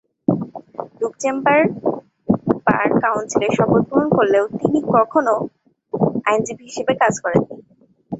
Luxembourg bar কাউন্সিলে শপথ গ্রহণ করলেও তিনি কখনো আইনজীবী হিসেবে কাজ করেন নি।